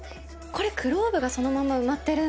これクローブがそのまんま埋まってるんだ。